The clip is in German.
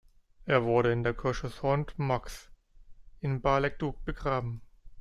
Er wurde in der Kirche Saint-Maxe in Bar-le-Duc begraben.